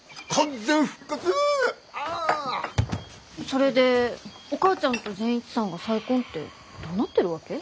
それでお母ちゃんと善一さんが再婚ってどうなってるわけ？